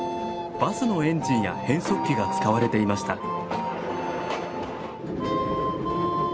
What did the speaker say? バスのエンジンや変速機が使われていました。